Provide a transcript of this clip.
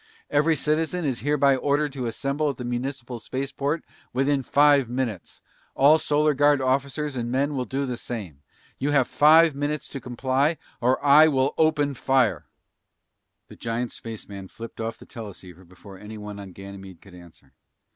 Every citizen is hereby ordered to assemble at the municipal spaceport within five minutes. All Solar Guard officers and men will do the same. You have five minutes to comply, or I will open fire!" The giant spaceman flipped off the teleceiver before anyone on Ganymede could answer.